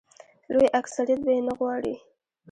لوی اکثریت به یې نه غواړي.